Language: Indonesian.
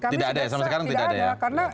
tidak ada karena